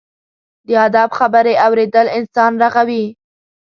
د ادب خبرې اورېدل انسان رغوي.